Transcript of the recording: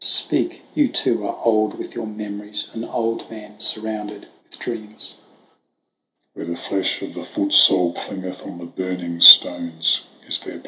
Speak, you too are old with your memories, an old man surrounded with dreams. S. Patric. Where the flesh of the footsole clingeth on the burning stones is then place ; VOL I.